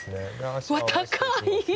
うわ、高い。